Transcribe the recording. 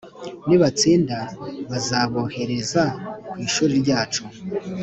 nibatsinda bazabohereze ku ishuri ryacu.